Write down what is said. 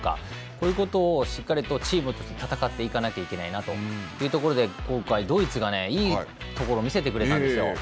こういうことをしっかりとチームとして戦っていかないといけないなというところで今回ドイツがいいところを見せてくれたんですよ。